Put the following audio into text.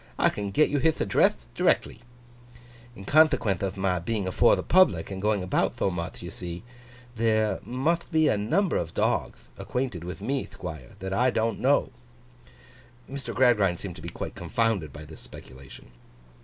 I can get you hith addreth directly." In conthequenth of my being afore the public, and going about tho muth, you thee, there mutht be a number of dogth acquainted with me, Thquire, that I don't know!' Mr. Gradgrind seemed to be quite confounded by this speculation.